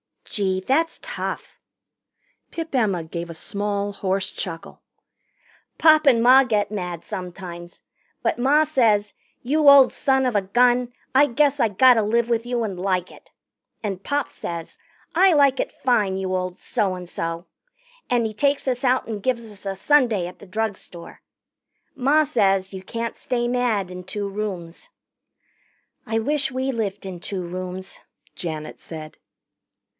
"Gee, that's tough." Pip Emma gave a small hoarse chuckle. "Pop and Ma get mad sometimes. But Ma says, 'You old son of a gun, I guess I gotter live with you and like it.' And Pop says, 'I like it fine, you old so and so.' And he takes us out and gives us a sundae at the drugstore. Ma says you can't stay mad in two rooms." "I wish we lived in two rooms," Janet said.